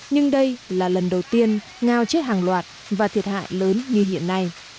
nhưng đây là lần đầu tiên ngao chết hàng loạt và thiệt hại lớn như hiện nay